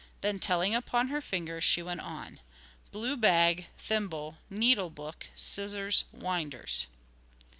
Then, telling upon her fingers she went on: 'Blue bag, thimble, needle book, scissors, winders.'